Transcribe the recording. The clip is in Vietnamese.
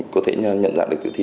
có thể nhận dạng được tự thi